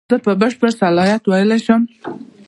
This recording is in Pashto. زه په بشپړ صلاحیت ویلای شم.